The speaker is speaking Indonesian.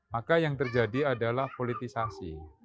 maka yang terjadi adalah politisasi